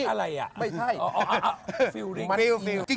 ไม่ใช่